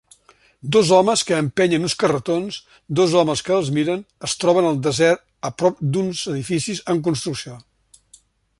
Dos homes que empenyen uns carretons, dos homes que els miren, es troben al desert a prop d'uns edificis en construcció